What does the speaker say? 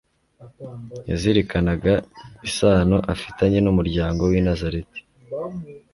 yazirikanaga isano afitanye n'umuryango w'i Nazareti,